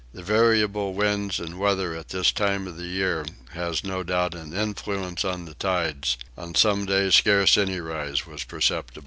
The variable winds and weather at this time of the year has no doubt an influence on the tides: on some days scarce any rise was perceptible.